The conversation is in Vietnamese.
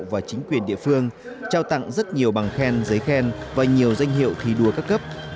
và chính quyền địa phương trao tặng rất nhiều bằng khen giấy khen và nhiều danh hiệu thi đua các cấp